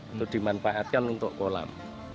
itu dimanfaatkan untuk kolam